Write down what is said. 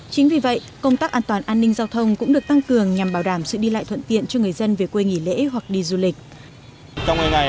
chính vì vậy công tác an toàn an ninh giao thông cũng được tăng cường nhằm bảo đảm sự đi lại thuận tiện cho người dân về quê nghỉ lễ hoặc đi du lịch